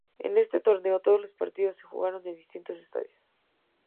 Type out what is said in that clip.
En este torneo todos los partidos se jugaron en distintos estadios.